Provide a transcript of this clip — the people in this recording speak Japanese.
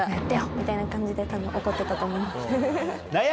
みたいな感じで多分怒ってたと思います。